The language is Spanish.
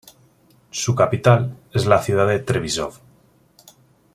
Su capital es la ciudad de Trebišov.